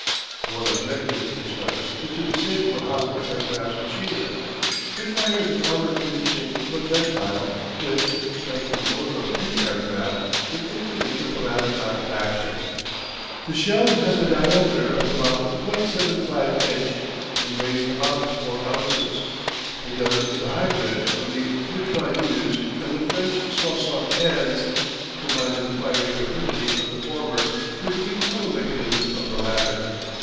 The one objective with this weapon is to disable the hostile aircraft's machinery. It fires an armour piercing projectile which, striking the motor of any aircraft, would instantly put the latter out of action. The shell has a diameter of about.75 inch and weighs about four ounces. The gun is a hybrid of the mitrailleuse and the French "Soixante quinze," combining the firing rapidity of the former with the recoil mechanism of the latter.